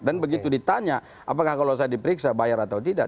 dan begitu ditanya apakah kalau saya diperiksa bayar atau tidak